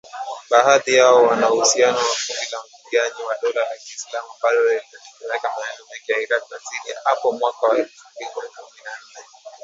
Baadhi ya hao wana uhusiano na kundi la wapiganaji wa Dola la kiislamu ambalo liliteka maeneo mengi ya Iraq na Syria hapo mwaka elfu mbili na kumi na nne